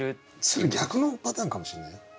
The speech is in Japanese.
それ逆のパターンかもしれないよ。